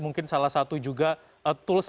mungkin salah satu juga tools